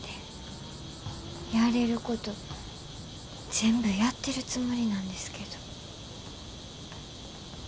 やれること全部やってるつもりなんですけど。